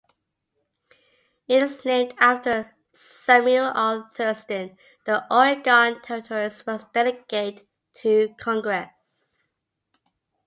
It is named after Samuel R. Thurston, the Oregon Territory's first delegate to Congress.